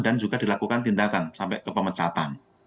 dan juga dilakukan tindakan sampai ke pemecatan